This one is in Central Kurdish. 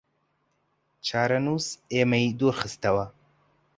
چارەنووس ئێمەی دوورخستەوە